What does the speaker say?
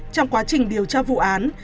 trong quá trình điều tra vụ án